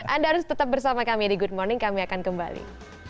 anda harus tetap bersama kami di good morning kami akan kembali